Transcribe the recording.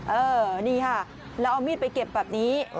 เออนี่ค่ะแล้วเอามีดไปเก็บแบบนี้